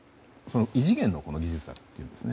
異次元の技術だっていうんですね。